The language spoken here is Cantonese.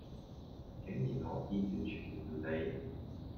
竟然可以完全唔理